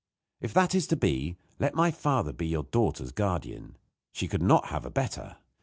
If that is to be, let my father be your daughter's guardian. She could not have a better.